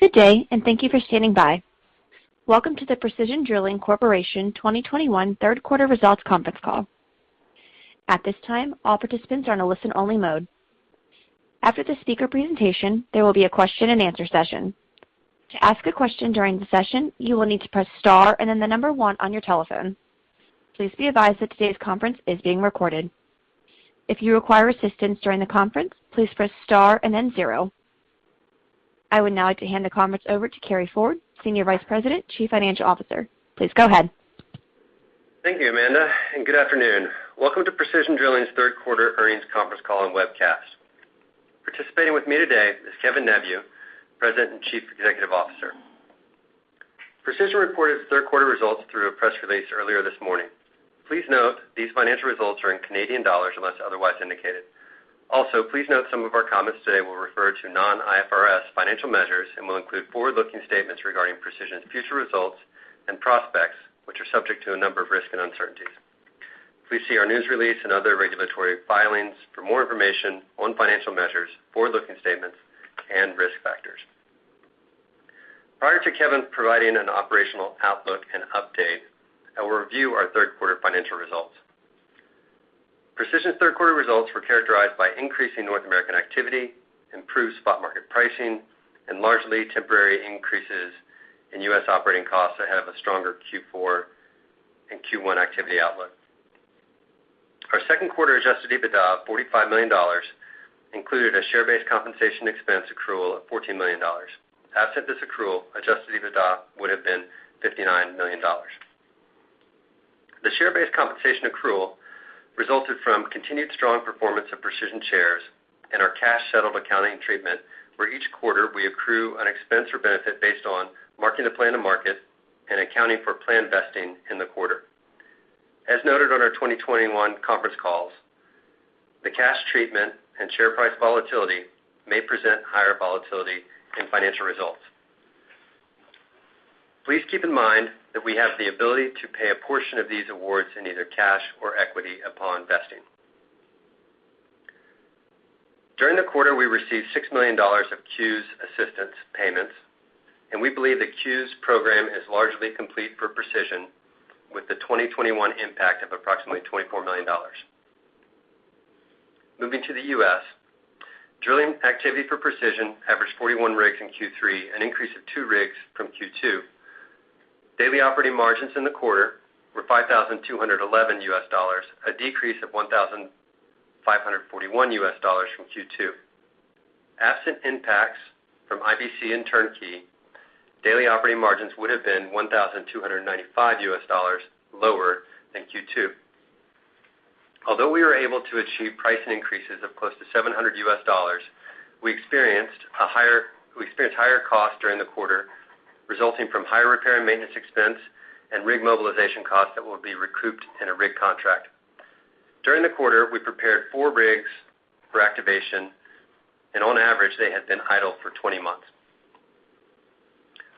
Good day, and thank you for standing by. Welcome to the Precision Drilling Corporation 2021 Third Quarter Results Conference Call. At this time, all participants are in a listen only mode. After the speaker presentation, there will be a question-and-answer session. To ask a question during the session, you will need to press star and then the number one on your telephone. Please be advised that today's conference is being recorded. If you require assistance during the conference, please press star and then zero. I would now like to hand the conference over to Carey Ford, Senior Vice President, Chief Financial Officer. Please go ahead. Thank you, Amanda, and good afternoon. Welcome to Precision Drilling's third quarter earnings conference call and webcast. Participating with me today is Kevin Neveu, President and Chief Executive Officer. Precision reported third quarter results through a press release earlier this morning. Please note these financial results are in Canadian dollars unless otherwise indicated. Please note some of our comments today will refer to non-IFRS financial measures and will include forward-looking statements regarding Precision's future results and prospects, which are subject to a number of risks and uncertainties. Please see our news release and other regulatory filings for more information on financial measures, forward-looking statements, and risk factors. Prior to Kevin providing an operational outlook and update, I will review our third quarter financial results. Precision's third quarter results were characterized by increasing North American activity, improved spot market pricing, and largely temporary increases in U.S. operating costs ahead of a stronger Q4 and Q1 activity outlook. Our second quarter adjusted EBITDA of 45 million dollars included a share-based compensation expense accrual of 14 million dollars. Absent this accrual, adjusted EBITDA would have been 59 million dollars. The share-based compensation accrual resulted from continued strong performance of Precision shares and our cash-settled accounting treatment, where each quarter we accrue an expense or benefit based on marking to plan to market and accounting for planned vesting in the quarter. As noted on our 2021 conference calls, the cash treatment and share price volatility may present higher volatility in financial results. Please keep in mind that we have the ability to pay a portion of these awards in either cash or equity upon vesting. During the quarter, we received 6 million dollars of CEWS assistance payments. We believe the CEWS program is largely complete for Precision with the 2021 impact of approximately 24 million dollars. Moving to the U.S. Drilling activity for Precision averaged 41 rigs in Q3, an increase of two rigs from Q2. Daily operating margins in the quarter were $5,211, a decrease of $1,541 from Q2. Absent impacts from IBC and turnkey, daily operating margins would have been $1,295 lower than Q2. We were able to achieve price increases of close to $700. We experienced higher costs during the quarter, resulting from higher repair and maintenance expense and rig mobilization costs that will be recouped in a rig contract. During the quarter, we prepared four rigs for activation. On average, they had been idle for 20 months.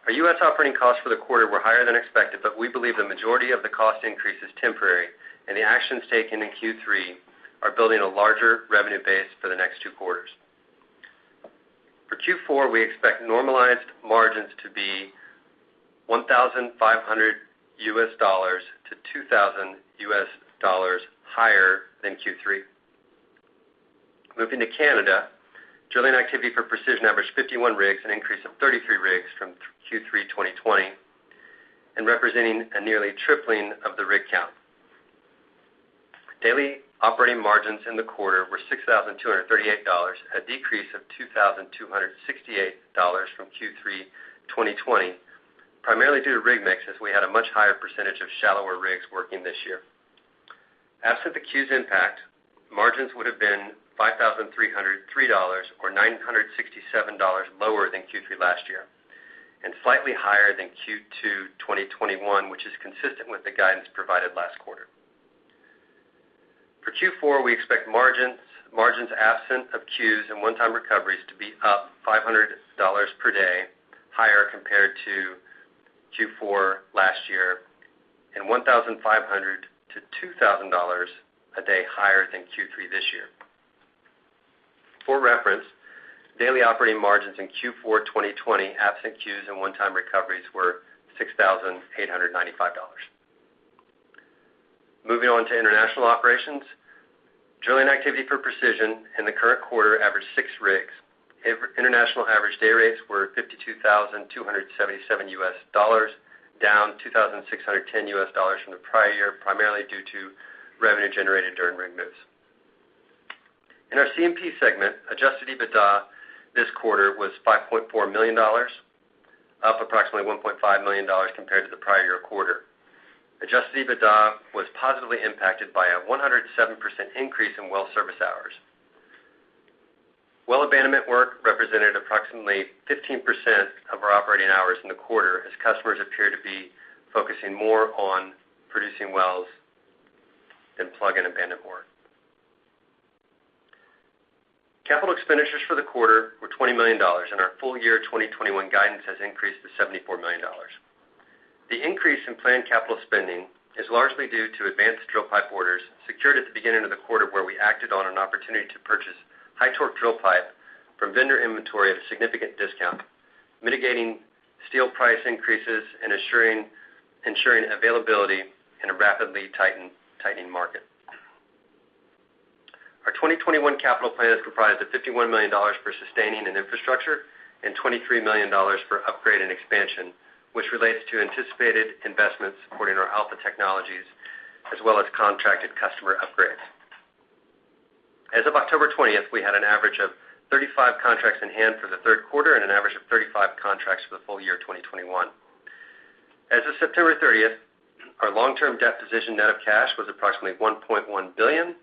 Our US operating costs for the quarter were higher than expected, but we believe the majority of the cost increase is temporary, and the actions taken in Q3 are building a larger revenue base for the next two quarters. For Q4, we expect normalized margins to be $1,500-$2,000 higher than Q3. Moving to Canada. Drilling activity for Precision averaged 51 rigs, an increase of 33 rigs from Q3 2020 and representing a nearly tripling of the rig count. Daily operating margins in the quarter were 6,238 dollars, a decrease of 2,268 dollars from Q3 2020, primarily due to rig mix, as we had a much higher percentage of shallower rigs working this year. Absent the CEWS impact, margins would have been 5,303 dollars, or 967 dollars lower than Q3 last year, and slightly higher than Q2 2021, which is consistent with the guidance provided last quarter. For Q4, we expect margins absent of CEWS and 1-time recoveries to be up 500 dollars per day higher compared to Q4 last year and 1,500-2,000 dollars a day higher than Q3 this year. For reference, daily operating margins in Q4 2020, absent CEWS and 1-time recoveries, were 6,895 dollars. Moving on to international operations. Drilling activity for Precision in the current quarter averaged 6 rigs. International average day rates were 52,277 US dollars, down 2,610 US dollars from the prior year, primarily due to revenue generated during rig moves. In our C&P segment, adjusted EBITDA this quarter was 5.4 million dollars, up approximately 1.5 million dollars compared to the prior year quarter. Adjusted EBITDA was positively impacted by a 107% increase in well service hours. Well abandonment work represented approximately 15% of our operating hours in the quarter, as customers appear to be focusing more on producing wells than plug and abandonment work. Capital expenditures for the quarter were 20 million dollars, and our full year 2021 guidance has increased to 74 million dollars. The increase in planned capital spending is largely due to advanced drill pipe orders secured at the beginning of the quarter, where we acted on an opportunity to purchase high torque drill pipe from vendor inventory at a significant discount, mitigating steel price increases and ensuring availability in a rapidly tightening market. Our 2021 capital plan is comprised of 51 million dollars for sustaining and infrastructure and 23 million dollars for upgrade and expansion, which relates to anticipated investments according to Alpha Technologies, as well as contracted customer upgrades. As of 20th October we had an average of 35 contracts in hand for the third quarter and an average of 35 contracts for the full year 2021. As of 30th September our long-term debt position net of cash was approximately 1.1 billion,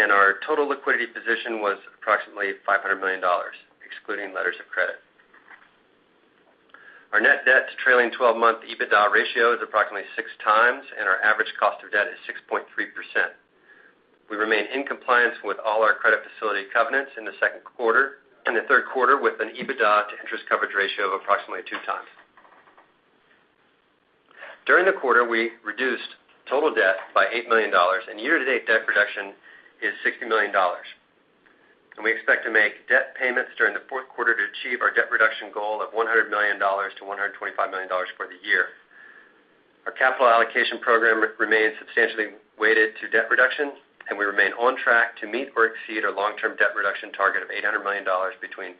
and our total liquidity position was approximately 500 million dollars, excluding letters of credit. Our net debt to trailing 12-month EBITDA ratio is approximately 6x, and our average cost of debt is 6.3%. We remained in compliance with all our credit facility covenants in the third quarter with an EBITDA to interest coverage ratio of approximately 2x. During the quarter, we reduced total debt by 8 million dollars and year-to-date debt reduction is 60 million dollars. We expect to make debt payments during the fourth quarter to achieve our debt reduction goal of 100 million-125 million dollars for the year. Our capital allocation program remains substantially weighted to debt reduction, and we remain on track to meet or exceed our long-term debt reduction target of 800 million dollars between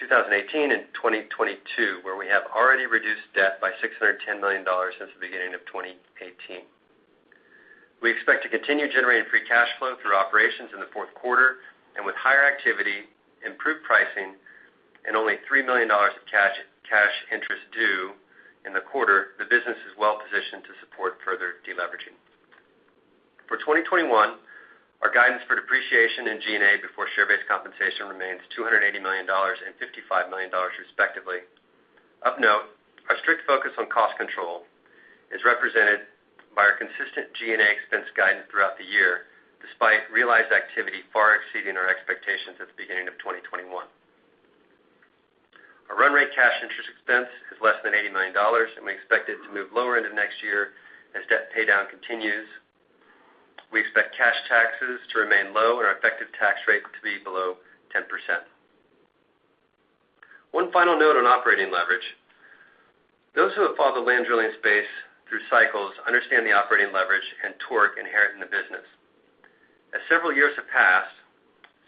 2018 and 2022, where we have already reduced debt by 610 million dollars since the beginning of 2018. We expect to continue generating free cash flow through operations in the fourth quarter and with higher activity, improved pricing, and only 3 million dollars of cash interest due in the quarter, the business is well-positioned to support further deleveraging. For 2021, our guidance for depreciation and G&A before share-based compensation remains 280 million dollars and 55 million dollars respectively. Of note, our strict focus on cost control is represented by our consistent G&A expense guidance throughout the year, despite realized activity far exceeding our expectations at the beginning of 2021. Our run rate cash interest expense is less than 80 million dollars, and we expect it to move lower into next year as debt paydown continues. We expect cash taxes to remain low and our effective tax rate to be below 10%. One final note on operating leverage. Those who have followed the land drilling space through cycles understand the operating leverage and torque inherent in the business. As several years have passed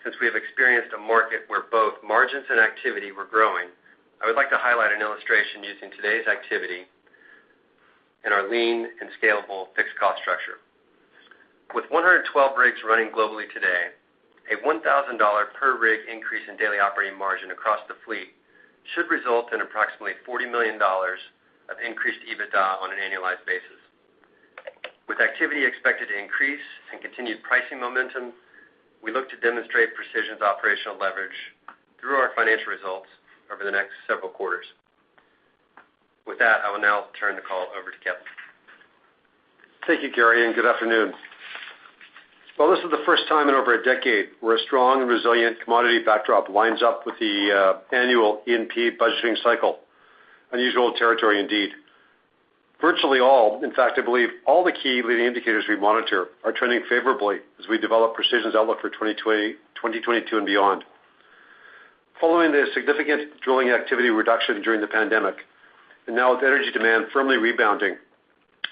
since we have experienced a market where both margins and activity were growing, I would like to highlight an illustration using today's activity and our lean and scalable fixed cost structure. With 112 rigs running globally today, a 1,000 dollar per rig increase in daily operating margin across the fleet should result in approximately 40 million dollars of increased EBITDA on an annualized basis. With activity expected to increase and continued pricing momentum, we look to demonstrate Precision's operational leverage through our financial results over the next several quarters. With that, I will now turn the call over to Kevin. Thank you, Carey, and good afternoon. Well, this is the first time in over a decade where a strong and resilient commodity backdrop lines up with the annual E&P budgeting cycle. Unusual territory indeed. Virtually all, in fact, I believe all the key leading indicators we monitor are trending favorably as we develop Precision's outlook for 2022 and beyond. Following the significant drilling activity reduction during the pandemic, and now with energy demand firmly rebounding,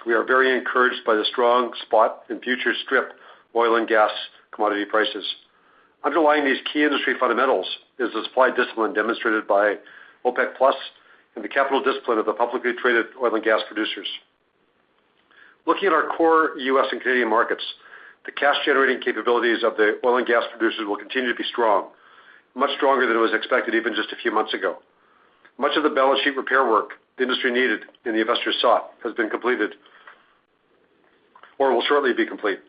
we are very encouraged by the strong spot in future strip oil and gas commodity prices. Underlying these key industry fundamentals is the supply discipline demonstrated by OPEC+ and the capital discipline of the publicly traded oil and gas producers. Looking at our core U.S. and Canadian markets, the cash generating capabilities of the oil and gas producers will continue to be strong, much stronger than it was expected even just a few months ago. Much of the balance sheet repair work the industry needed and the investors sought has been completed or will shortly be complete.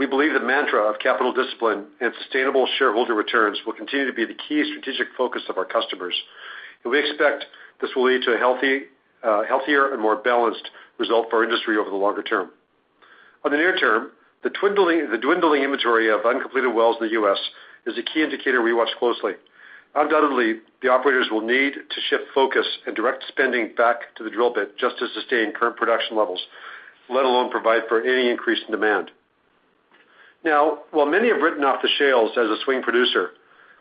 We believe the mantra of capital discipline and sustainable shareholder returns will continue to be the key strategic focus of our customers, and we expect this will lead to a healthier and more balanced result for our industry over the longer term. On the near term, the dwindling inventory of uncompleted wells in the U.S. is a key indicator we watch closely. Undoubtedly, the operators will need to shift focus and direct spending back to the drill bit just to sustain current production levels, let alone provide for any increase in demand. While many have written off the shales as a swing producer,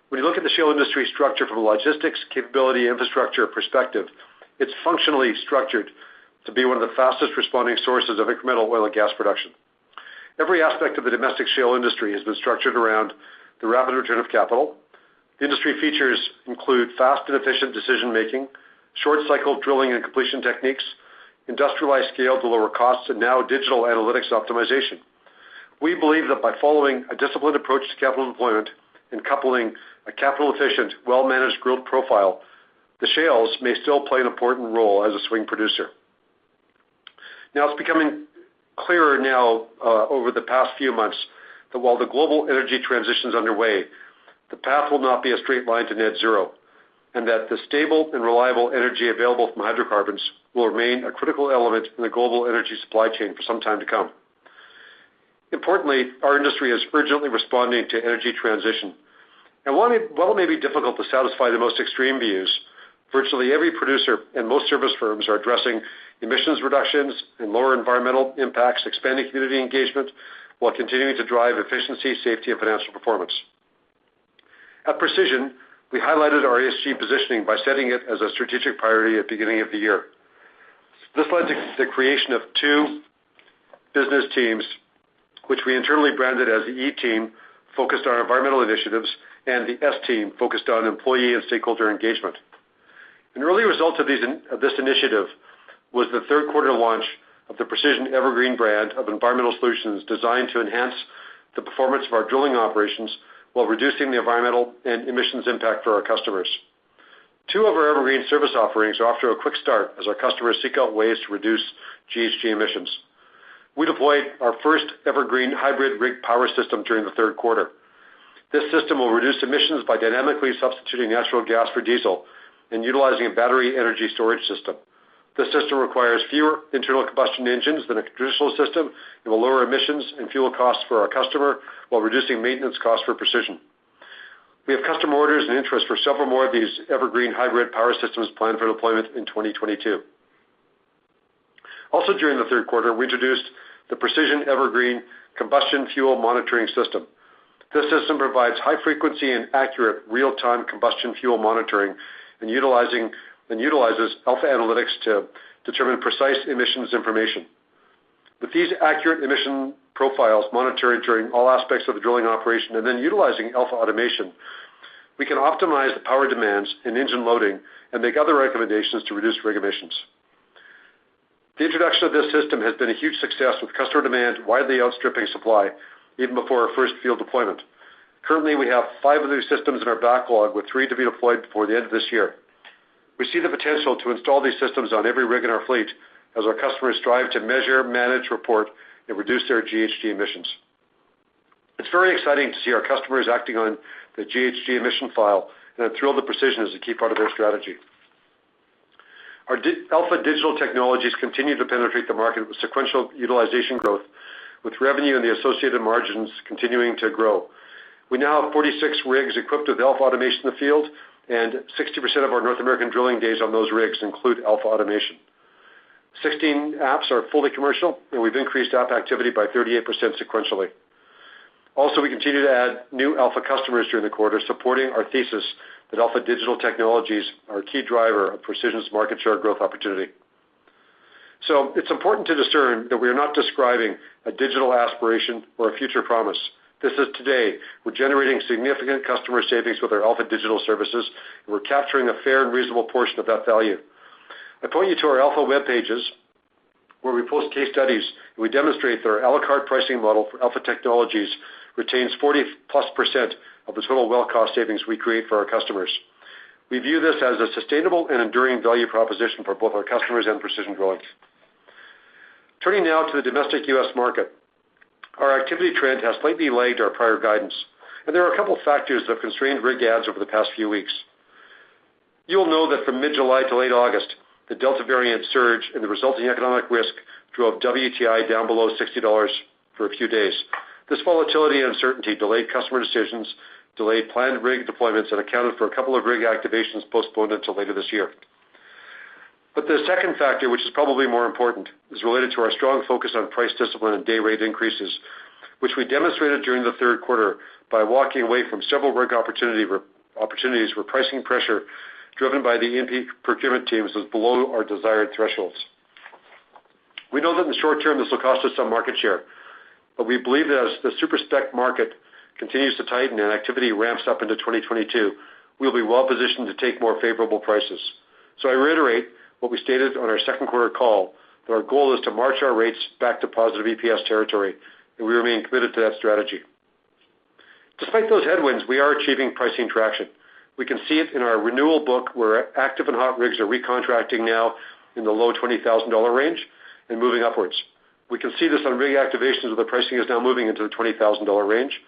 when you look at the shale industry structure from a logistics capability infrastructure perspective, it's functionally structured to be one of the fastest responding sources of incremental oil and gas production. Every aspect of the domestic shale industry has been structured around the rapid return of capital. The industry features include fast and efficient decision-making, short cycle drilling and completion techniques, industrialized scale to lower costs, and digital analytics optimization. We believe that by following a disciplined approach to capital deployment and coupling a capital efficient, well-managed growth profile, the shales may still play an important role as a swing producer. Now it's becoming clearer now over the past few months that while the global energy transition is underway, the path will not be a straight line to net zero, and that the stable and reliable energy available from hydrocarbons will remain a critical element in the global energy supply chain for some time to come. Importantly, our industry is urgently responding to energy transition. While it may be difficult to satisfy the most extreme views, virtually every producer and most service firms are addressing emissions reductions and lower environmental impacts, expanding community engagement, while continuing to drive efficiency, safety, and financial performance. At Precision, we highlighted our ESG positioning by setting it as a strategic priority at beginning of the year. This led to the creation of two business teams, which we internally branded as the E-Team, focused on environmental initiatives, and the S-Team, focused on employee and stakeholder engagement. An early result of this initiative was the third quarter launch of the Precision EverGreen brand of environmental solutions designed to enhance the performance of our drilling operations while reducing the environmental and emissions impact for our customers. Two of our EverGreen service offerings are off to a quick start as our customers seek out ways to reduce GHG emissions. We deployed our first EverGreen hybrid rig power system during the third quarter. This system will reduce emissions by dynamically substituting natural gas for diesel and utilizing a battery energy storage system. This system requires fewer internal combustion engines than a traditional system and will lower emissions and fuel costs for our customer while reducing maintenance costs for Precision. We have customer orders and interest for several more of these EverGreen hybrid power systems planned for deployment in 2022. Also during the third quarter, we introduced the Precision EverGreen combustion fuel monitoring system. This system provides high frequency and accurate real-time combustion fuel monitoring, and utilizes AlphaAnalytics to determine precise emissions information. With these accurate emission profiles monitored during all aspects of the drilling operation, and then utilizing AlphaAutomation, we can optimize the power demands in engine loading and make other recommendations to reduce rig emissions. The introduction of this system has been a huge success with customer demand widely outstripping supply even before our first field deployment. Currently, we have five of these systems in our backlog, with three to be deployed before the end of this year. We see the potential to install these systems on every rig in our fleet as our customers strive to measure, manage, report, and reduce their GHG emissions. It's very exciting to see our customers acting on the GHG emission file, and I'm thrilled that Precision is a key part of their strategy. Our Alpha digital technologies continue to penetrate the market with sequential utilization growth, with revenue and the associated margins continuing to grow. We now have 46 rigs equipped with AlphaAutomation in the field, and 60% of our North American drilling days on those rigs include AlphaAutomation. 16 apps are fully commercial, and we've increased app activity by 38% sequentially. We continue to add new Alpha customers during the quarter, supporting our thesis that Alpha digital technologies are a key driver of Precision's market share growth opportunity. It's important to discern that we are not describing a digital aspiration or a future promise. This is today. We're generating significant customer savings with our Alpha digital services, and we're capturing a fair and reasonable portion of that value. I point you to our Alpha webpages where we post case studies, and we demonstrate that our a la carte pricing model for Alpha technologies retains 40+% of the total well cost savings we create for our customers. We view this as a sustainable and enduring value proposition for both our customers and Precision Drilling. Turning now to the domestic U.S. market. Our activity trend has slightly lagged our prior guidance, and there are a couple factors that have constrained rig adds over the past few weeks. You'll know that from mid-July to late August, the Delta variant surge and the resulting economic risk drove WTI down below 60 dollars for a few days. This volatility and uncertainty delayed customer decisions, delayed planned rig deployments, and accounted for a couple of rig activations postponed until later this year. The second factor, which is probably more important, is related to our strong focus on price discipline and day rate increases, which we demonstrated during the third quarter by walking away from several rig opportunities where pricing pressure driven by the E&P procurement teams was below our desired thresholds. We know that in the short term, this will cost us some market share, but we believe that as the super-spec market continues to tighten and activity ramps up into 2022, we'll be well positioned to take more favorable prices. I reiterate what we stated on our second quarter call, that our goal is to march our rates back to positive EPS territory, and we remain committed to that strategy. Despite those headwinds, we are achieving pricing traction. We can see it in our renewal book, where active and hot rigs are recontracting now in the low 20,000 dollar range and moving upwards. We can see this on rig activations where the pricing is now moving into the 20,000 dollar range,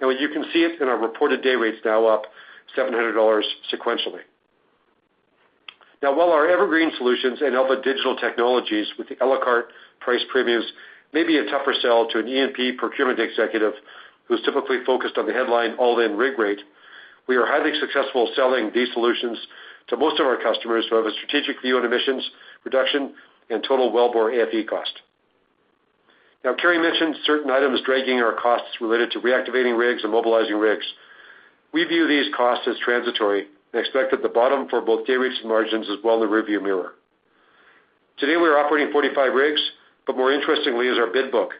and you can see it in our reported day rates now up 700 dollars sequentially. While our EverGreen solutions and Alpha digital technologies with the a la carte price premiums may be a tougher sell to an E&P procurement executive who's typically focused on the headline all-in rig rate, we are highly successful selling these solutions to most of our customers who have a strategic view on emissions reduction and total wellbore AFE cost. Carey mentioned certain items dragging our costs related to reactivating rigs and mobilizing rigs. We view these costs as transitory and expect that the bottom for both day rates and margins is well in the rearview mirror. Today we are operating 45 rigs, but more interestingly is our bid book,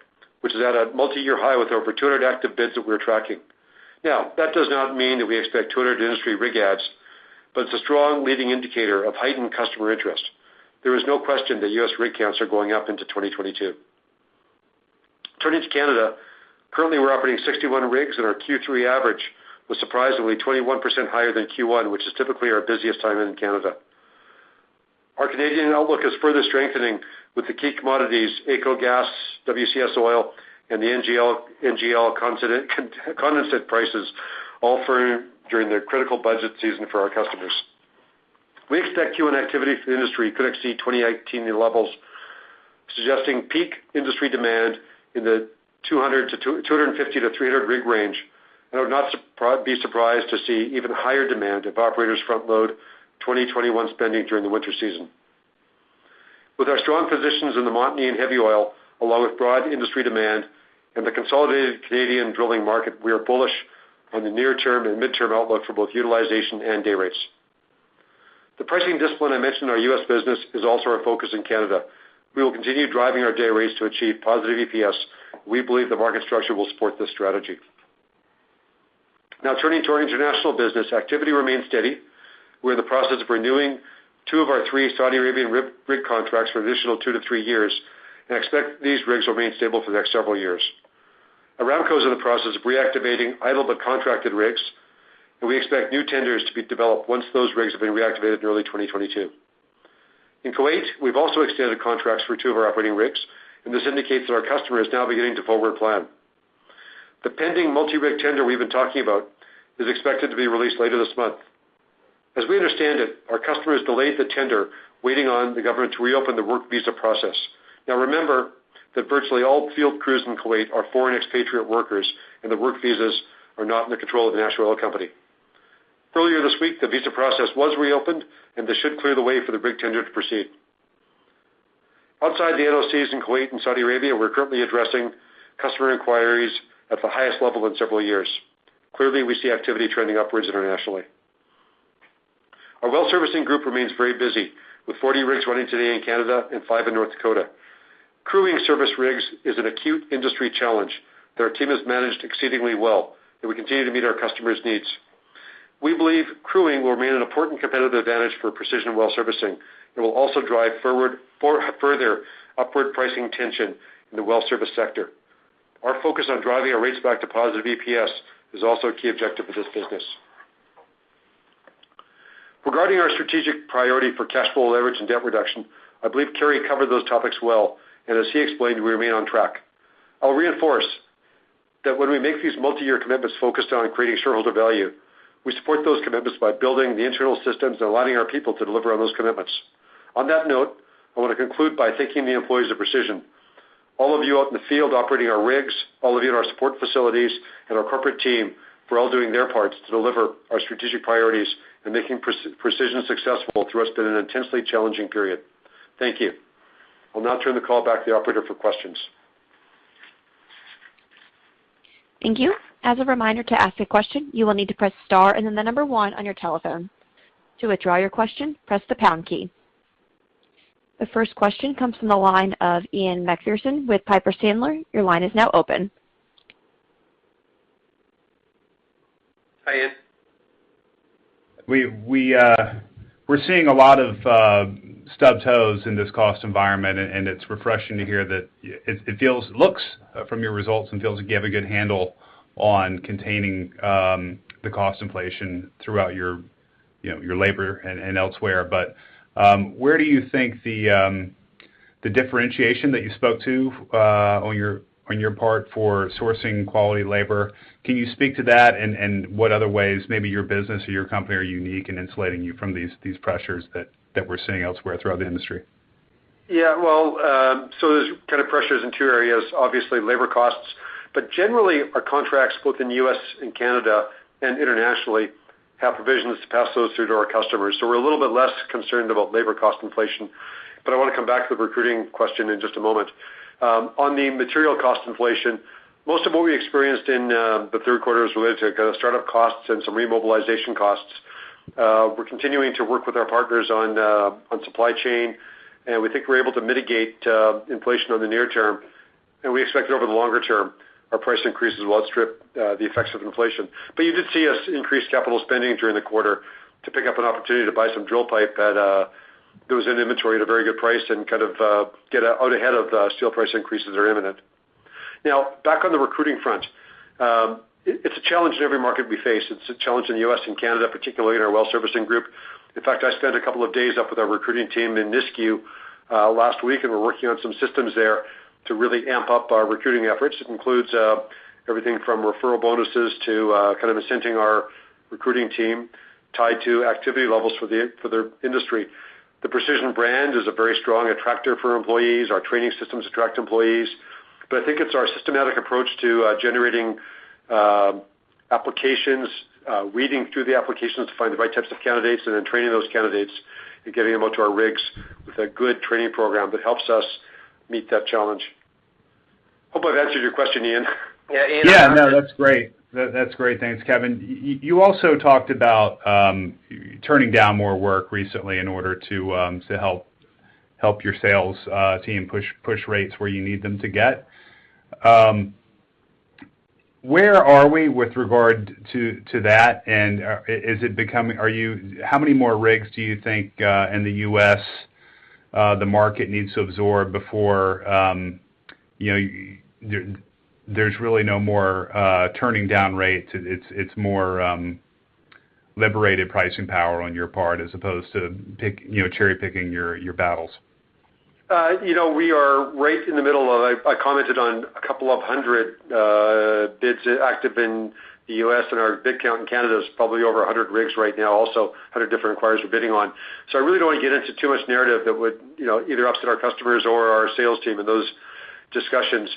which is at a multi-year high with over 200 active bids that we're tracking. That does not mean that we expect 200 industry rig adds, but it's a strong leading indicator of heightened customer interest. There is no question that U.S. rig counts are going up into 2022. Turning to Canada. Currently, we're operating 61 rigs, and our Q3 average was surprisingly 21% higher than Q1, which is typically our busiest time in Canada. Our Canadian outlook is further strengthening with the key commodities AECO gas, WCS oil, and the NGL condensate prices all through during the critical budget season for our customers. We expect Q1 activity for the industry could exceed 2019 new levels, suggesting peak industry demand in the 250-300 rig range, and I would not be surprised to see even higher demand if operators front-load 2021 spending during the winter season. With our strong positions in the Montney and heavy oil, along with broad industry demand and the consolidated Canadian drilling market, we are bullish on the near-term and mid-term outlook for both utilization and day rates. The pricing discipline I mentioned in our U.S. business is also our focus in Canada. We will continue driving our day rates to achieve positive EPS. We believe the market structure will support this strategy. Turning to our international business, activity remains steady. We're in the process of renewing two of our three Saudi Arabian rig contracts for an additional two to three years and expect these rigs to remain stable for the next several years. Aramco is in the process of reactivating idle but contracted rigs, we expect new tenders to be developed once those rigs have been reactivated in early 2022. In Kuwait, we've also extended contracts for two of our operating rigs, this indicates that our customer is now beginning to forward plan. The pending multi-rig tender we've been talking about is expected to be released later this month. As we understand it, our customers delayed the tender waiting on the government to reopen the work visa process. Remember that virtually all field crews in Kuwait are foreign expatriate workers, and the work visas are not in the control of the national oil company. Earlier this week, the visa process was reopened, and this should clear the way for the rig tender to proceed. Outside the NOCs in Kuwait and Saudi Arabia, we're currently addressing customer inquiries at the highest level in several years. Clearly, we see activity trending upwards internationally. Our well servicing group remains very busy with 40 rigs running today in Canada and five in North Dakota. Crewing service rigs is an acute industry challenge that our team has managed exceedingly well, and we continue to meet our customers' needs. We believe crew will remain an important competitive advantage for Precision Well Servicing and will also drive further upward pricing tension in the well service sector. Our focus on driving our rates back to positive EPS is also a key objective of this business. Regarding our strategic priority for cash flow leverage and debt reduction, I believe Carey covered those topics well, as he explained, we remain on track. I'll reinforce that when we make these multi-year commitments focused on creating shareholder value, we support those commitments by building the internal systems and aligning our people to deliver on those commitments. On that note, I want to conclude by thanking the employees of Precision, all of you out in the field operating our rigs, all of you in our support facilities and our corporate team for all doing their parts to deliver our strategic priorities and making Precision successful through what's been an intensely challenging period. Thank you. I'll now turn the call back to the operator for questions. Thank you. As a reminder, to ask a question, you will need to press star and then the number one on your telephone. To withdraw your question, press the pound key. The first question comes from the line of Ian Macpherson with Piper Sandler. Your line is now open. Hi, Ian. We're seeing a lot of stubbed toes in this cost environment, and it's refreshing to hear that it looks from your results and feels like you have a good handle on containing the cost inflation throughout your labor and elsewhere. Where do you think the differentiation that you spoke to on your part for sourcing quality labor, can you speak to that and what other ways maybe your business or your company are unique in insulating you from these pressures that we're seeing elsewhere throughout the industry? There's pressures in two areas. Obviously, labor costs, but generally our contracts both in U.S. and Canada and internationally have provisions to pass those through to our customers. We're a little bit less concerned about labor cost inflation, but I want to come back to the recruiting question in just a moment. On the material cost inflation, most of what we experienced in the third quarter is related to startup costs and some remobilization costs. We're continuing to work with our partners on supply chain, and we think we're able to mitigate inflation on the near term, and we expect that over the longer term, our price increases will outstrip the effects of inflation. You did see us increase capital spending during the quarter to pick up an opportunity to buy some drill pipe that was in inventory at a very good price and get out ahead of steel price increases that are imminent. Back on the recruiting front. It's a challenge in every market we face. It's a challenge in the U.S. and Canada, particularly in our well servicing group. In fact, I spent two days up with our recruiting team in Nisku last week, and we're working on some systems there to really amp up our recruiting efforts. It includes everything from referral bonuses to incenting our recruiting team tied to activity levels for their industry. The Precision brand is a very strong attractor for employees. Our training systems attract employees. I think it's our systematic approach to generating applications, weeding through the applications to find the right types of candidates, and then training those candidates and getting them out to our rigs with a good training program that helps us meet that challenge. Hope I've answered your question, Ian. Yeah, Ian. Yeah, no, that's great. Thanks, Kevin. You also talked about turning down more work recently in order to help your sales team push rates where you need them to get. Where are we with regard to that, and how many more rigs do you think, in the U.S., the market needs to absorb before there's really no more turning down rates? It's more liberated pricing power on your part as opposed to cherry-picking your battles. We are right in the middle of, I commented on 200 bids active in the U.S., Our bid count in Canada is probably over 100 rigs right now, also 100 different acquirers we're bidding on. I really don't want to get into too much narrative that would either upset our customers or our sales team in those discussions.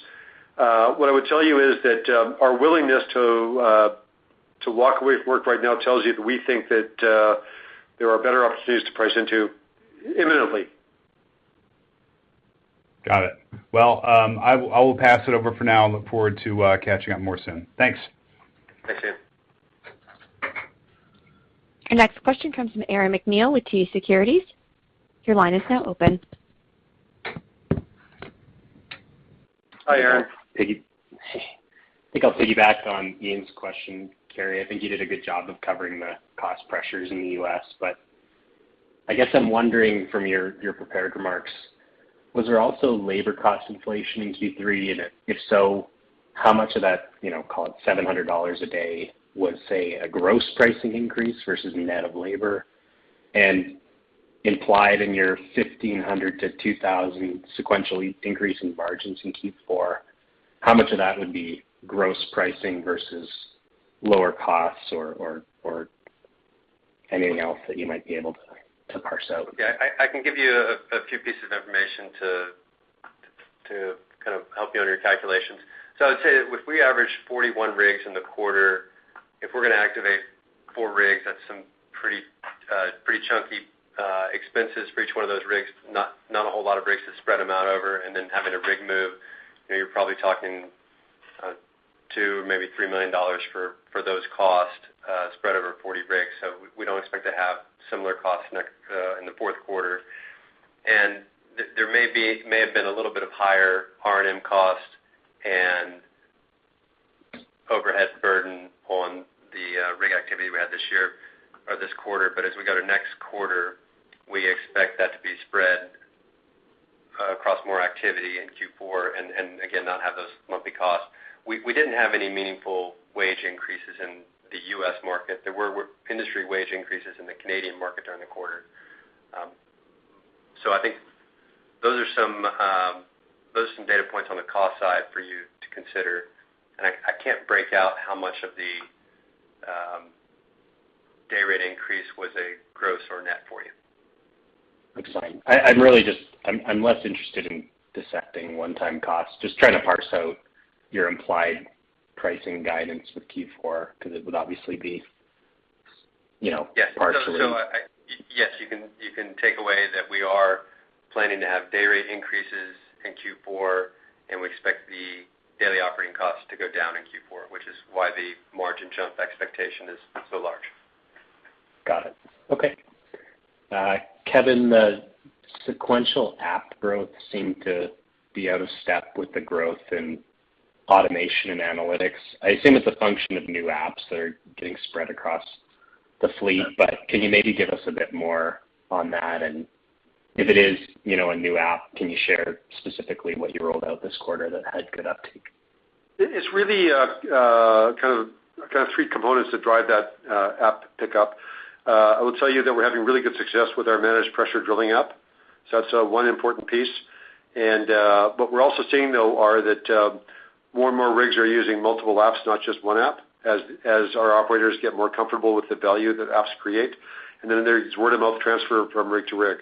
What I would tell you is that our willingness to walk away from work right now tells you that we think that there are better opportunities to price into imminently. Got it. Well, I will pass it over for now and look forward to catching up more soon. Thanks. Thanks, Ian. Our next question comes from Aaron MacNeil with TD Securities. Hi, Aaron. Hi. I think I'll piggyback on Ian's question, Carey. I think you did a good job of covering the cost pressures in the U.S., but I guess I'm wondering from your prepared remarks, was there also labor cost inflation in Q3? If so, how much of that, call it 700 dollars a day, was, say, a gross pricing increase versus net of labor? Implied in your 1,500-2,000 sequential increase in margins in Q4, how much of that would be gross pricing versus lower costs or anything else that you might be able to parse out? Yeah, I can give you a few pieces of information to kind of help you on your calculations. I would say that if we average 41 rigs in the quarter, if we're going to activate four rigs, that's some pretty chunky expenses for each one of those rigs. Not a whole lot of rigs to spread them out over. Having a rig move, you're probably talking 2 million, maybe 3 million dollars for those costs spread over 40 rigs. We don't expect to have similar costs in the fourth quarter. There may have been a little bit of higher R&M cost and overhead burden on the rig activity we had this year or this quarter. As we go to next quarter, we expect that to be spread across more activity in Q4 and again, not have those monthly costs. We didn't have any meaningful wage increases in the U.S. market. There were industry wage increases in the Canadian market during the quarter. I think those are some data points on the cost side for you to consider, and I can't break out how much of the day rate increase was a gross or net for you. That's fine. I'm less interested in dissecting one-time costs, just trying to parse out your implied pricing guidance with Q4, because it would obviously be partially Yes. You can take away that we are planning to have day rate increases in Q4, and we expect the daily operating costs to go down in Q4, which is why the margin jump expectation is so large. Got it. Okay. Kevin, the sequential app growth seemed to be out of step with the growth in automation and analytics. I assume it's a function of new apps that are getting spread across the fleet, can you maybe give us a bit more on that? If it is a new app, can you share specifically what you rolled out this quarter that had good uptake? It's really kind of three components that drive that app pickup. I will tell you that we're having really good success with our Managed Pressure Drilling app, that's one important piece. What we're also seeing, though, are that more and more rigs are using multiple apps, not just one app, as our operators get more comfortable with the value that apps create. There's word of mouth transfer from rig to rig.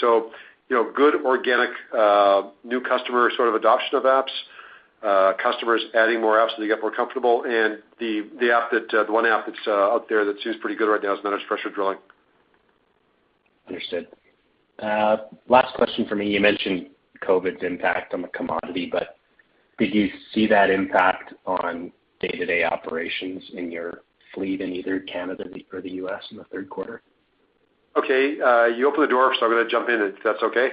Good organic, new customer sort of adoption of apps, customers adding more apps as they get more comfortable. The one app that's out there that seems pretty good right now is Managed Pressure Drilling. Understood. Last question from me. You mentioned COVID's impact on the commodity, but did you see that impact on day-to-day operations in your fleet in either Canada or the U.S. in the third quarter? Okay. You opened the door, so I'm going to jump in, if that's okay.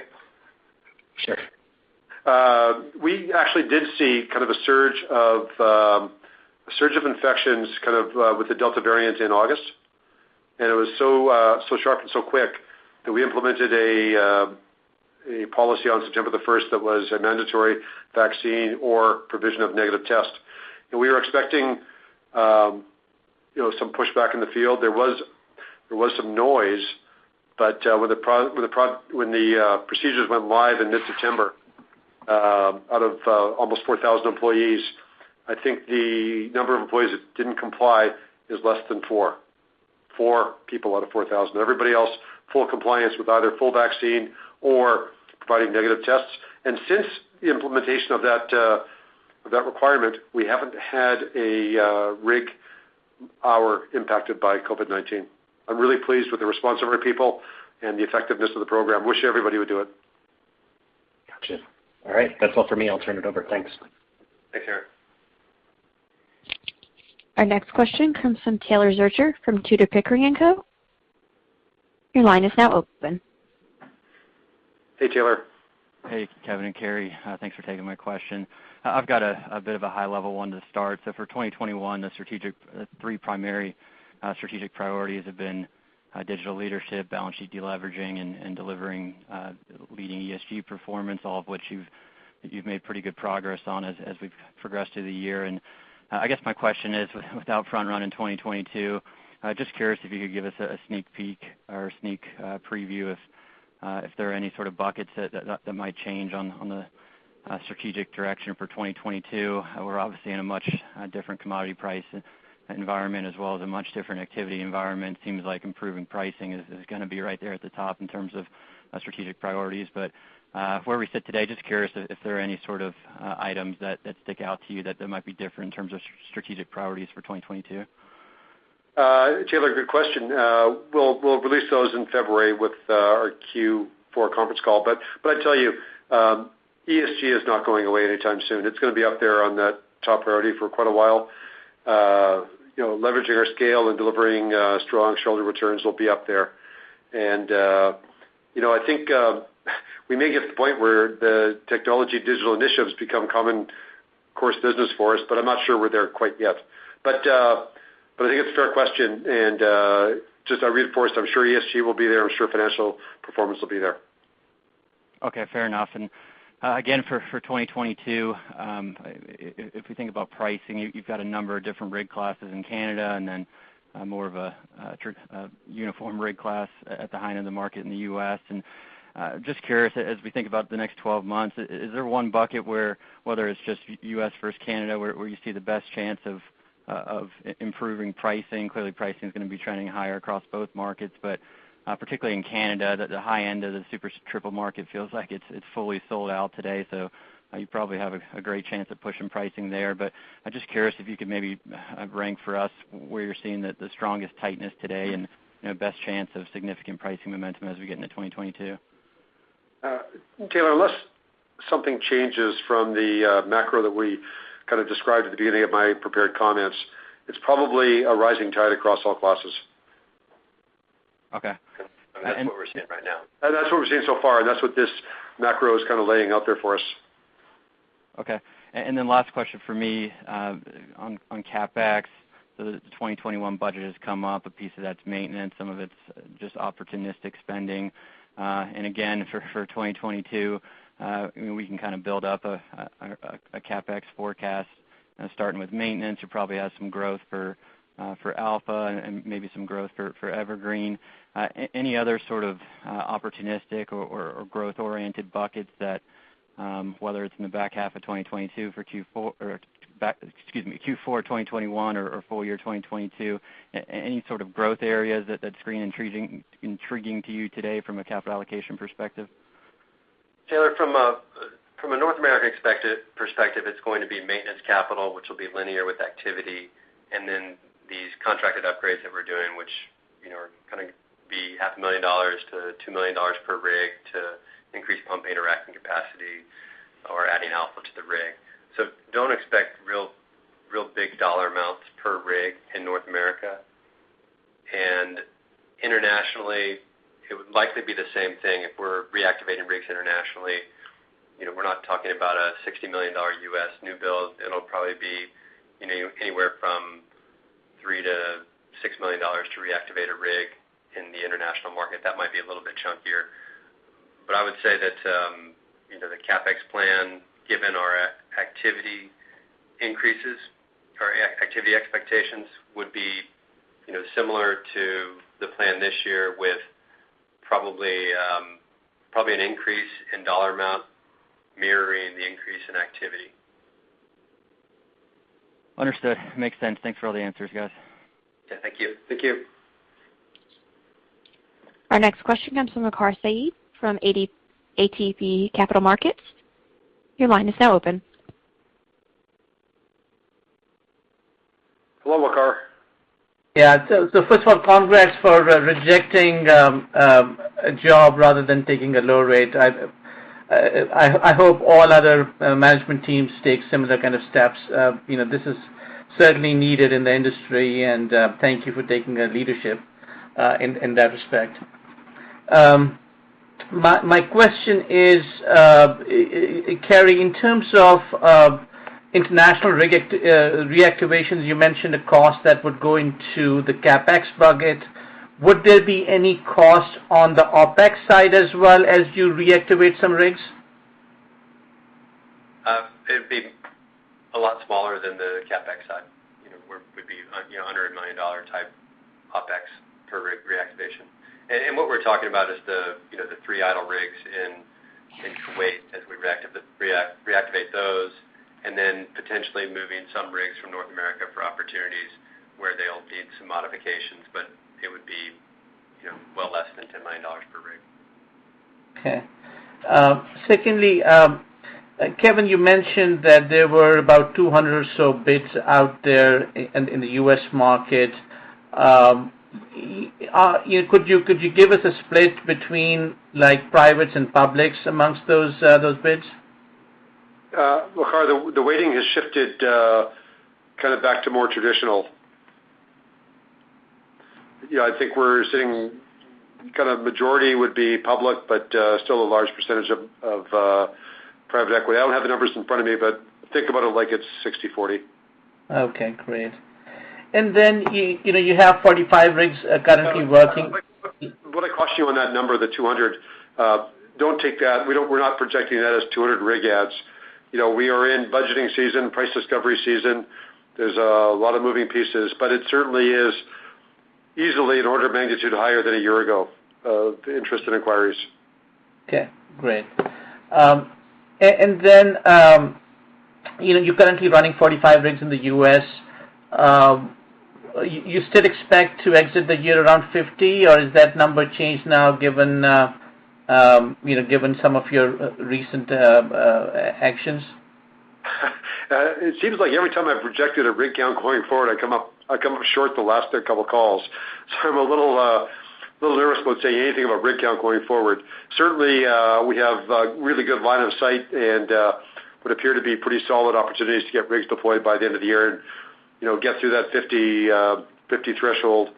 Sure. We actually did see kind of a surge of infections, kind of with the Delta variant in August. It was so sharp and so quick that we implemented a policy on 1st September that was a mandatory vaccine or provision of negative tests. We were expecting some pushback in the field. There was some noise. When the procedures went live in mid-September, out of almost 4,000 employees, I think the number of employees that didn't comply is less than four. Four people out of 4,000. Everybody else, full compliance with either full vaccine or providing negative tests. Since the implementation of that requirement, we haven't had a rig hour impacted by COVID-19. I'm really pleased with the response of our people and the effectiveness of the program. Wish everybody would do it. Gotcha. All right, that's all for me. I'll turn it over. Thanks. Thanks, Aaron. Our next question comes from Taylor Zurcher from Tudor, Pickering & Co. Your line is now open. Hey, Taylor. Hey, Kevin and Carey. Thanks for taking my question. I've got a bit of a high-level one to start. For 2021, the three primary strategic priorities have been digital leadership, balance sheet de-leveraging, and delivering leading ESG performance. All of which you've made pretty good progress on as we've progressed through the year. I guess my question is, without front-running 2022, just curious if you could give us a sneak peek or a sneak preview if there are any sort of buckets that might change on the strategic direction for 2022. We're obviously in a much different commodity price environment as well as a much different activity environment. Seems like improving pricing is going to be right there at the top in terms of strategic priorities. From where we sit today, just curious if there are any sort of items that stick out to you that might be different in terms of strategic priorities for 2022. Taylor, good question. We'll release those in February with our Q4 conference call. I'd tell you, ESG is not going away anytime soon. It's going to be up there on that top priority for quite a while. Leveraging our scale and delivering strong shareholder returns will be up there. I think we may get to the point where the technology digital initiatives become common course business for us, but I'm not sure we're there quite yet. I think it's a fair question, and just I reinforce, I'm sure ESG will be there. I'm sure financial performance will be there. Okay, fair enough. For 2022, if we think about pricing, you've got a number of different rig classes in Canada, and then more of a uniform rig class at the high end of the market in the U.S. Just curious, as we think about the next 12 months, is there 1 bucket where, whether it's just U.S. versus Canada, where you see the best chance of improving pricing? Clearly, pricing is going to be trending higher across both markets, but particularly in Canada, the high end of the Super Triple market feels like it's fully sold out today. You probably have a great chance at pushing pricing there. I'm just curious if you could maybe rank for us where you're seeing the strongest tightness today and best chance of significant pricing momentum as we get into 2022. Taylor, unless something changes from the macro that we kind of described at the beginning of my prepared comments, it's probably a rising tide across all classes. Okay. That's what we're seeing right now. That's what we're seeing so far, and that's what this macro is kind of laying out there for us. Okay. Then last question from me. On CapEx, the 2021 budget has come up. A piece of that's maintenance, some of it's just opportunistic spending. Again, for 2022, we can kind of build up a CapEx forecast, starting with maintenance. You probably have some growth for Alpha and maybe some growth for EverGreen. Any other sort of opportunistic or growth-oriented buckets that, whether it's in the back half of 2022 for Q4 or, excuse me, Q4 2021 or full year 2022, any sort of growth areas that screen intriguing to you today from a capital allocation perspective? Taylor, from a North American perspective, it's going to be maintenance capital, which will be linear with activity, and then these contracted upgrades that we're doing, which are going to be CAD half a million-CAD 2 million per rig to increase pump and racking capacity or adding Alpha to the rig. Don't expect real big dollar amounts per rig in North America. Internationally, it would likely be the same thing if we're reactivating rigs internationally. We're not talking about a $60 million U.S. new build. It'll probably be anywhere from 3 million-6 million dollars to reactivate a rig in the international market. That might be a little bit chunkier. I would say that the CapEx plan, given our activity increases or activity expectations, would be similar to the plan this year, with probably an increase in dollar amount mirroring the increase in activity. Understood. Makes sense. Thanks for all the answers, guys. Yeah, thank you. Thank you. Our next question comes from Waqar Syed from ATB Capital Markets. Your line is now open. Hello, Waqar. Yeah. First of all, congrats for rejecting a job rather than taking a low rate. I hope all other management teams take similar kind of steps. This is certainly needed in the industry, and thank you for taking the leadership in that respect. My question is, Cary, in terms of international reactivations, you mentioned a cost that would go into the CapEx bucket. Would there be any cost on the OpEx side as well as you reactivate some rigs? It'd be a lot smaller than the CapEx side. Would be under one million-dollar type OpEx per rig reactivation. What we're talking about is the three idle rigs in Kuwait as we reactivate those, potentially moving some rigs from North America for opportunities where they'll need some modifications. It would be well less than CAD 10 million per rig. Okay. Secondly, Kevin, you mentioned that there were about 200 or so bids out there in the U.S. market. Could you give us a split between privates and publics amongst those bids? Waqar, the weighting has shifted kind of back to more traditional. I think we're seeing kind of majority would be public, but still a large percentage of private equity. I don't have the numbers in front of me, but think about it like it's 60/40. Okay, great. You have 45 rigs currently working. What I caution you on that number, the 200, we're not projecting that as 200 rig adds. We are in budgeting season, price discovery season. It certainly is easily an order of magnitude higher than a year ago of interest and inquiries. Okay, great. You're currently running 45 rigs in the U.S. You still expect to exit the year around 50, or has that number changed now given some of your recent actions? It seems like every time I've projected a rig count going forward, I come up short the last couple of calls. I'm a little nervous about saying anything about rig count going forward. Certainly, we have a really good line of sight, what appear to be pretty solid opportunities to get rigs deployed by the end of the year and get through that 50 threshold.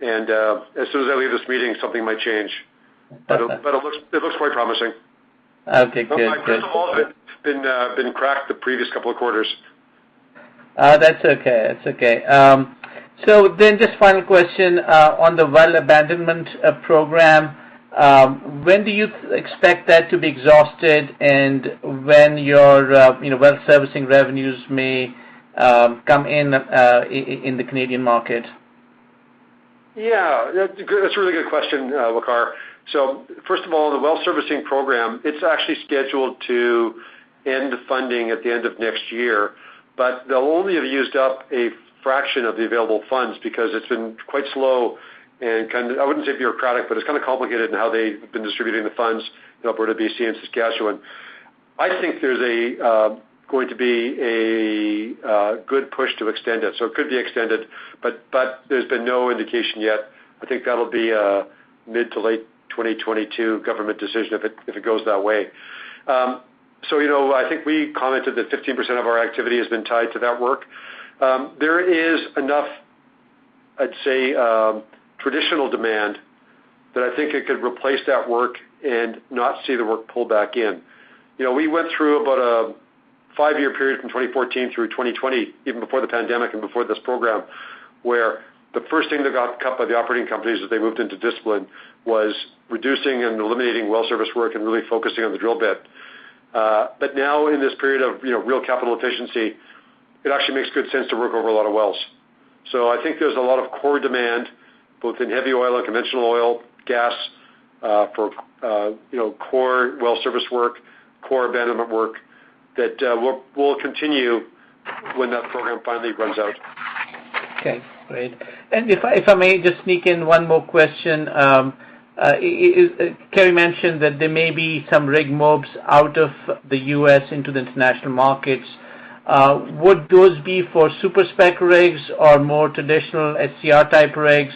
As soon as I leave this meeting, something might change. It looks quite promising. Okay, great. My crystal ball hasn't been cracked the previous couple of quarters. That's okay. Just final question on the well abandonment program. When do you expect that to be exhausted, and when your well servicing revenues may come in the Canadian market? Yeah, that's a really good question, Waqar. First of all, the well servicing program, it's actually scheduled to end funding at the end of next year, but they'll only have used up a fraction of the available funds because it's been quite slow and kind of, I wouldn't say bureaucratic, but it's kind of complicated in how they've been distributing the funds in Alberta, BC, and Saskatchewan. I think there's going to be a good push to extend it. It could be extended, but there's been no indication yet. I think that'll be a mid to late 2022 government decision if it goes that way. I think we commented that 15% of our activity has been tied to that work. There is enough, I'd say, traditional demand that I think it could replace that work and not see the work pulled back in. We went through about a five year period from 2014 through 2020, even before the pandemic and before this program, where the first thing that got cut by the operating companies as they moved into discipline was reducing and eliminating well service work and really focusing on the drill bit. Now in this period of real capital efficiency, it actually makes good sense to rig over a lot of wells. I think there is a lot of core demand, both in heavy oil and conventional oil, gas for core well service work, core abandonment work, that will continue when that program finally runs out. Okay, great. If I may just sneak in one more question. Carey mentioned that there may be some rig mobs out of the U.S. into the international markets. Would those be for super-spec rigs or more traditional SCR type rigs?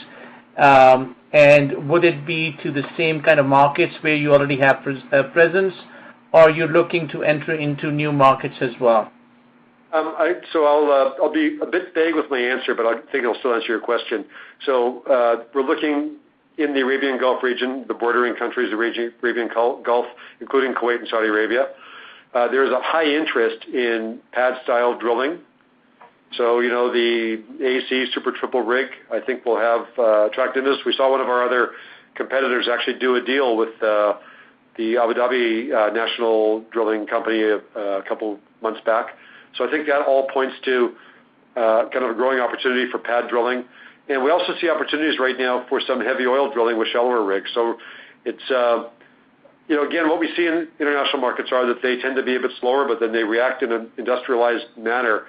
Would it be to the same kind of markets where you already have a presence, or are you looking to enter into new markets as well? I'll be a bit vague with my answer, but I think it'll still answer your question. We're looking in the Arabian Gulf region, the bordering countries, the Arabian Gulf, including Kuwait and Saudi Arabia. There's a high interest in pad-style drilling. The AC Super Triple rig, I think will have attractiveness. We saw one of our other competitors actually do a deal with ADNOC Drilling a couple months back. I think that all points to kind of a growing opportunity for pad drilling. We also see opportunities right now for some heavy oil drilling with shallower rigs. Again, what we see in international markets are that they tend to be a bit slower, but then they react in an industrialized manner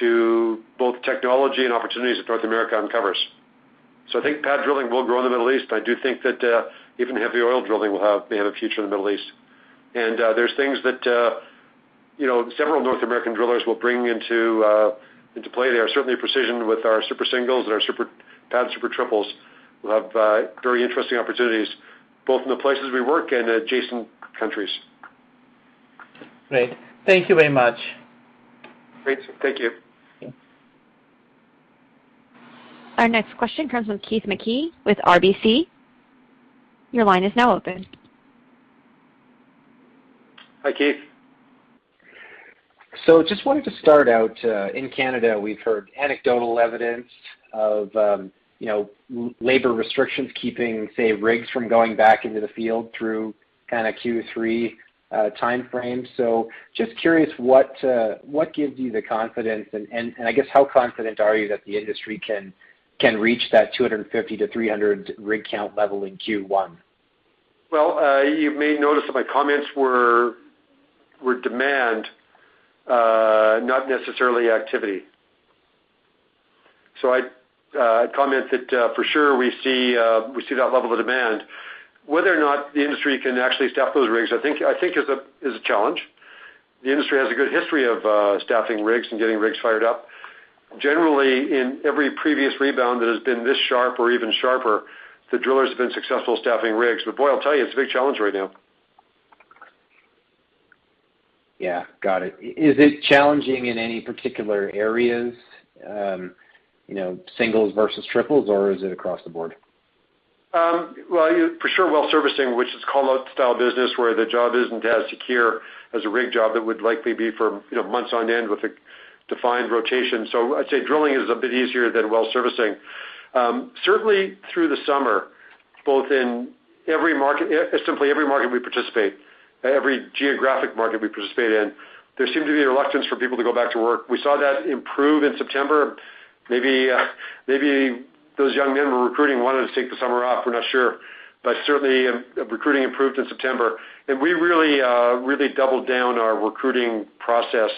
to both technology and opportunities that North America uncovers. I think pad drilling will grow in the Middle East, but I do think that even heavy oil drilling will have a future in the Middle East. There's things that several North American drillers will bring into play there. Certainly Precision with our Super Singles and our pad Super Triples will have very interesting opportunities, both in the places we work and adjacent countries. Great. Thank you very much. Great. Thank you. Yeah. Our next question comes from Keith Mackey with RBC. Your line is now open. Hi, Keith. Just wanted to start out, in Canada, we've heard anecdotal evidence of labor restrictions keeping, say, rigs from going back into the field through kind of Q3 timeframe. Just curious what gives you the confidence, and I guess how confident are you that the industry can reach that 250-300 rig count level in Q1? Well, you may notice that my comments were demand, not necessarily activity. I'd comment that for sure we see that level of demand. Whether or not the industry can actually staff those rigs, I think is a challenge. The industry has a good history of staffing rigs and getting rigs fired up. Generally, in every previous rebound that has been this sharp or even sharper, the drillers have been successful staffing rigs. Boy, I'll tell you, it's a big challenge right now. Yeah. Got it. Is it challenging in any particular areas, singles versus triples, or is it across the board? Well, for sure well servicing, which is call-out style business where the job isn't as secure as a rig job that would likely be for months on end with a defined rotation. I'd say drilling is a bit easier than well servicing. Certainly through the summer, simply every market we participate, every geographic market we participate in, there seemed to be a reluctance for people to go back to work. We saw that improve in September. Maybe those young men we're recruiting wanted to take the summer off, we're not sure, but certainly recruiting improved in September. We really doubled down our recruiting process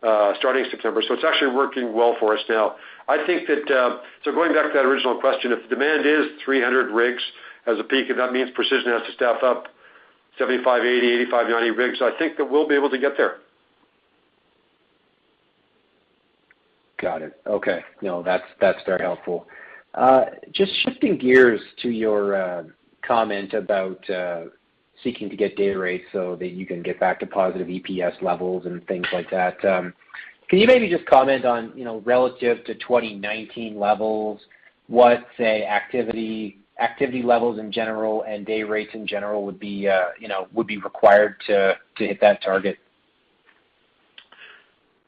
starting September. It's actually working well for us now. Going back to that original question, if demand is 300 rigs as a peak, and that means Precision has to staff up 75, 80, 85, 90 rigs, I think that we'll be able to get there. Got it. Okay. No, that's very helpful. Just shifting gears to your comment about seeking to get day rates so that you can get back to positive EPS levels and things like that. Can you maybe just comment on, relative to 2019 levels, what, say, activity levels in general and day rates in general would be required to hit that target?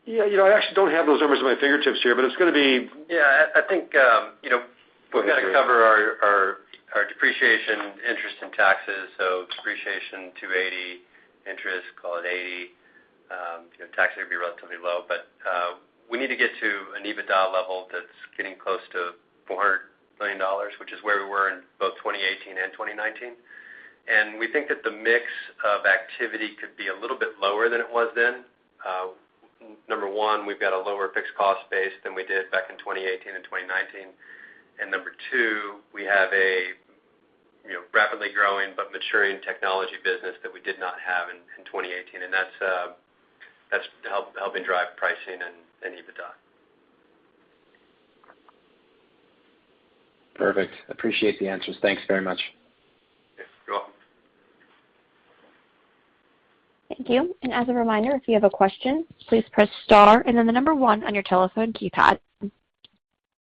I actually don't have those numbers at my fingertips here, but it's going to be. I think, we've got to cover our depreciation interest and taxes. Depreciation 280, interest, call it 80. Taxes would be relatively low. We need to get to an EBITDA level that's getting close to 400 million dollars, which is where we were in both 2018 and 2019. We think that the mix of activity could be a little bit lower than it was then. Number one, we've got a lower fixed cost base than we did back in 2018 and 2019. Number two, we have a rapidly growing but maturing technology business that we did not have in 2018, and that's helping drive pricing and EBITDA. Perfect. Appreciate the answers. Thanks very much. Yes. You're welcome. Thank you. As a reminder, if you have a question, please press star and then one on your telephone keypad.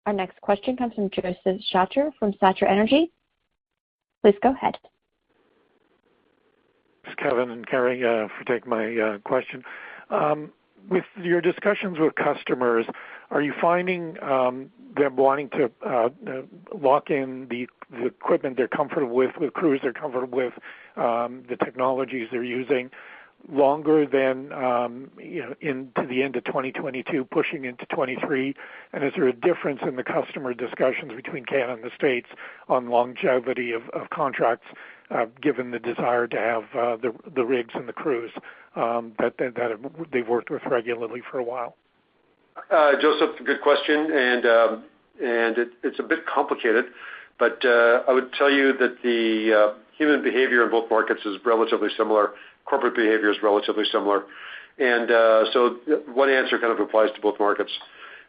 Our next question comes from Josef Schachter from Schachter Energy. Please go ahead. This is Kevin and Carey, for taking my question. With your discussions with customers, are you finding they're wanting to lock in the equipment they're comfortable with crews they're comfortable with, the technologies they're using longer than to the end of 2022, pushing into 2023? Is there a difference in the customer discussions between Canada and the U.S. on longevity of contracts, given the desire to have the rigs and the crews that they've worked with regularly for a while? Josef, good question, and it's a bit complicated, but I would tell you that the human behavior in both markets is relatively similar. Corporate behavior is relatively similar. One answer kind of applies to both markets.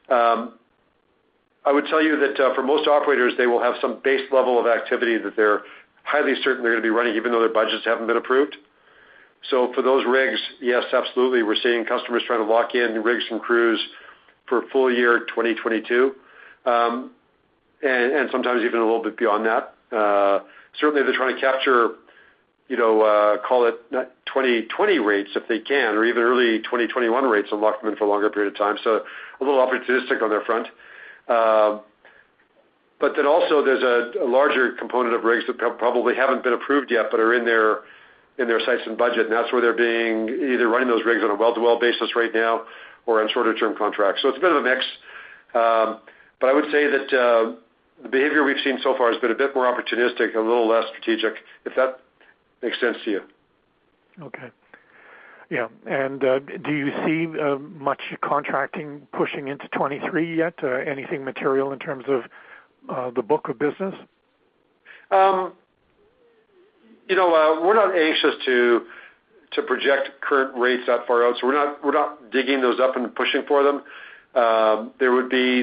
I would tell you that for most operators, they will have some base level of activity that they're highly certain they're going to be running, even though their budgets haven't been approved. For those rigs, yes, absolutely, we're seeing customers trying to lock in rigs and crews for full year 2022. Sometimes even a little bit beyond that. Certainly they're trying to capture, call it net 2020 rates if they can, or even early 2021 rates and lock them in for a longer period of time. A little opportunistic on their front. Also there's a larger component of rigs that probably haven't been approved yet, but are in their sights and budget, and that's where they're being either running those rigs on a well-to-well basis right now or on shorter term contracts. It's a bit of a mix. I would say that the behavior we've seen so far has been a bit more opportunistic and a little less strategic, if that makes sense to you. Okay. Yeah. Do you see much contracting pushing into 2023 yet? Anything material in terms of the book of business? We're not anxious to project current rates that far out, so we're not digging those up and pushing for them. There would be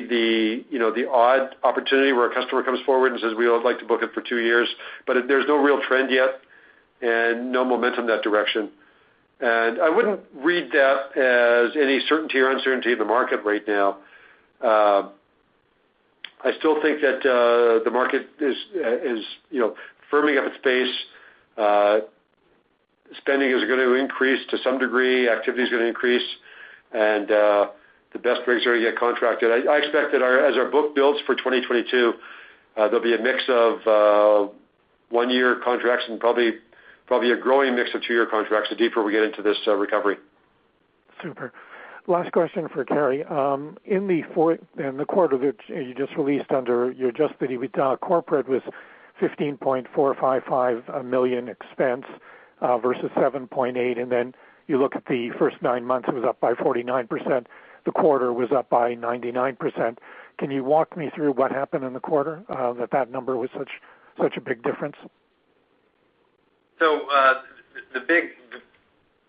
the odd opportunity where a customer comes forward and says, "We would like to book it for two years," but there's no real trend yet and no momentum in that direction. I wouldn't read that as any certainty or uncertainty in the market right now. I still think that the market is firming up its pace. Spending is going to increase to some degree. Activity's going to increase. The best rigs are going to get contracted. I expect that as our book builds for 2022, there'll be a mix of one year contracts and probably a growing mix of two year contracts the deeper we get into this recovery. Super. Last question for Carey. In the quarter that you just released under your adjusted EBITDA, corporate was 15.455 million expense versus 7.8 million. You look at the first nine months, it was up by 49%. The quarter was up by 99%. Can you walk me through what happened in the quarter that that number was such a big difference? The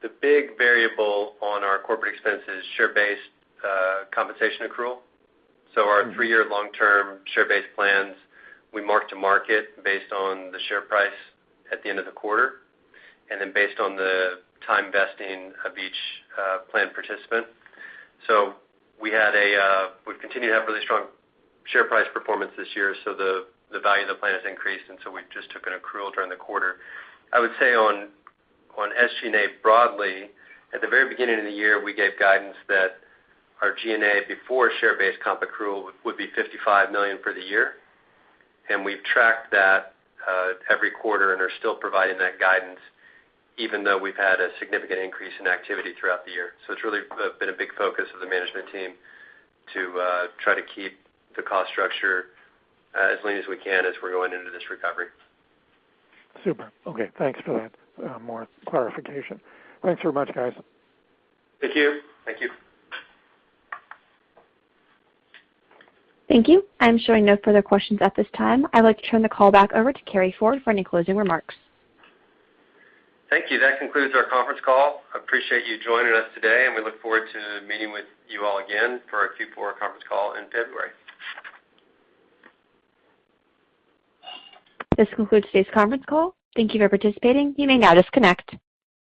big variable on our corporate expense is share-based compensation accrual. Our three year long-term share-based plans, we mark to market based on the share price at the end of the quarter, and then based on the time vesting of each plan participant. We've continued to have really strong share price performance this year so the value of the plan has increased, and so we just took an accrual during the quarter. I would say on SG&A broadly, at the very beginning of the year, we gave guidance that our G&A before share-based comp accrual would be 55 million for the year. We've tracked that every quarter and are still providing that guidance even though we've had a significant increase in activity throughout the year. It's really been a big focus of the management team to try to keep the cost structure as lean as we can as we're going into this recovery. Super. Okay. Thanks for that more clarification. Thanks very much, guys. Thank you. Thank you. Thank you. I'm showing no further questions at this time. I'd like to turn the call back over to Carey Ford for any closing remarks. Thank you. That concludes our conference call. I appreciate you joining us today, and we look forward to meeting with you all again for our Q4 conference call in February. This concludes today's conference call. Thank you for participating. You may now disconnect.